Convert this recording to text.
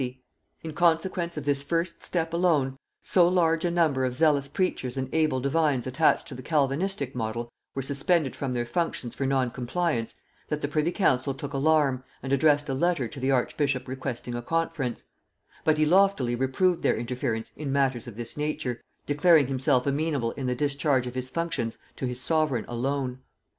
In consequence of this first step alone, so large a number of zealous preachers and able divines attached to the Calvinistic model were suspended from their functions for non compliance, that the privy council took alarm, and addressed a letter to the archbishop requesting a conference; but he loftily reproved their interference in matters of this nature, declaring himself amenable in the discharge of his functions to his sovereign alone.